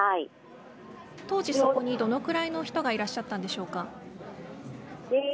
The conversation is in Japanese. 当時、そこにどれぐらいの人がいらっしゃったんでしょうか。